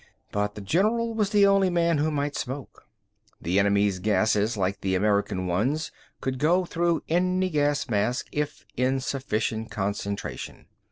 But the general was the only man who might smoke. The enemy's gases, like the American ones, could go through any gas mask if in sufficient concentration.